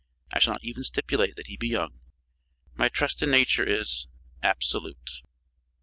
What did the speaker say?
I shall not even stipulate that he be young. My trust in nature is absolute.